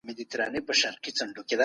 يو انسان په خوني کي ارام ناست دی.